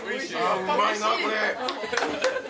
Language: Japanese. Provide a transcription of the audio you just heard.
うまいな、これ。